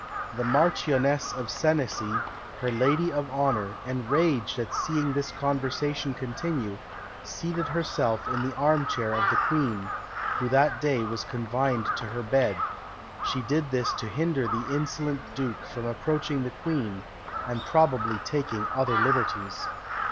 The Marchioness of Senecy, her lady of honour, enraged at seeing this conversation continue, seated herself in the arm chair of the Queen, who that day was confined to her bed; she did this to hinder the insolent duke from approaching the Queen, and probably taking other liberties.